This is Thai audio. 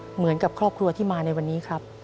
เหมือนกับครอบครัวที่มาในวันนี้ครับ